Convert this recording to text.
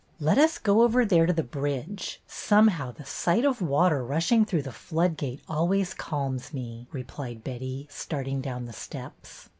'' Let us go over there to the bridge. Some how the sight of water rushing through the flood gate always calms me," replied Betty, starting down the steps.